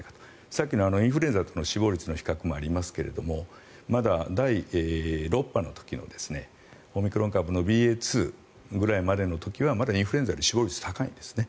さっきのインフルエンザとの死亡率の比較がありますが第６波の時のオミクロン株のＢＡ．２までの時はまだインフルエンザより死亡率高いんです。